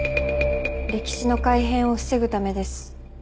歴史の改変を防ぐためです。